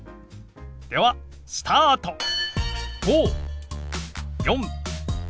ではスタート！